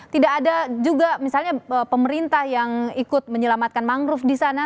tidak ada juga misalnya pemerintah yang ikut menyelamatkan mangrove di sana